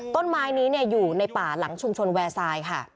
ต้นไม้นี้อยู่ในป่าหลังชุมชนแวร์ทรายค่ะ